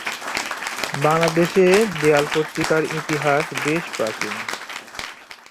বাংলাদেশে দেয়াল পত্রিকার ইতিহাস বেশ প্রাচীন।